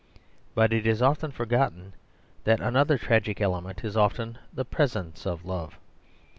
But it is often forgotten that another tragic element is often the presence of love.